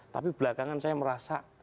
tapi belakangan saya merasa